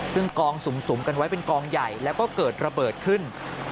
ซึ่งกองสุ่มกันไว้เป็นกองใหญ่แล้วก็เกิดระเบิดขึ้น